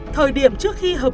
thời điểm trước khi hợp tác